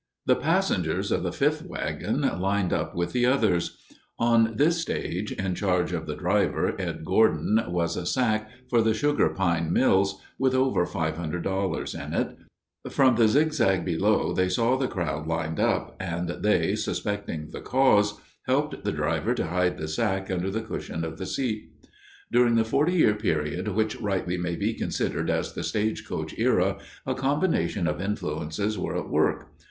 The passengers of the fifth wagon "lined up" with the others. On this stage, in charge of the driver, Ed Gordon, was a sack, for the Sugar Pine Mills, with over $500 in it. From the zig zag below they saw the crowd "lined up" and they, suspecting the cause, helped the driver to hide the sack under the cushion of the seat. During the forty year period which rightly may be considered as the stagecoach era, a combination of influences were at work.